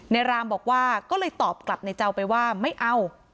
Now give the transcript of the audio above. รามบอกว่าก็เลยตอบกลับในเจ้าไปว่าไม่เอา